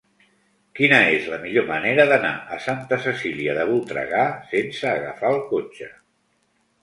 Quina és la millor manera d'anar a Santa Cecília de Voltregà sense agafar el cotxe?